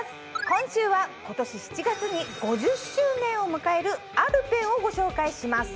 今週は今年７月に５０周年を迎えるアルペンをご紹介します。